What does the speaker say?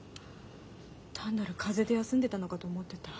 単なる風邪で休んでたのかと思ってた。